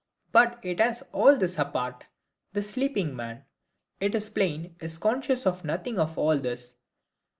But it has all this apart: the sleeping MAN, it is plain, is conscious of nothing of all this.